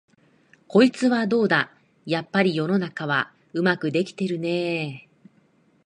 こいつはどうだ、やっぱり世の中はうまくできてるねえ、